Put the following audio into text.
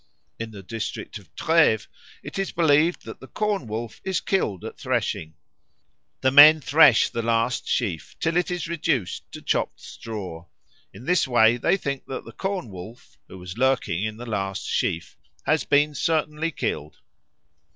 In the district of Treves it is believed that the Corn wolf is killed at threshing. The men thresh the last sheaf till it is reduced to chopped straw. In this way they think that the Corn wolf, who was lurking in the last sheaf, has been certainly killed.